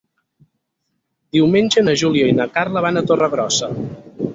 Diumenge na Júlia i na Carla van a Torregrossa.